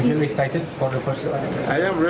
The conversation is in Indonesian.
saya tidak pernah terlalu terang